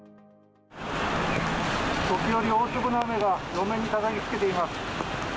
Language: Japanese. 時折、大粒の雨が路面にたたきつけています。